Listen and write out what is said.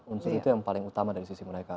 unsur itu yang paling utama dari sisi mereka